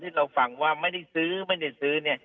ที่เราฟังว่าไม่ได้ซื้อ